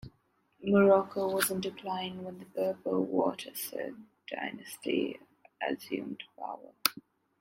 Morocco was in decline when the Berber Wattasid dynasty assumed power.